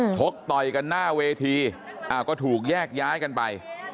ชกต่อยกันหน้าเวทีก็ถูกแยกย้ายกันไป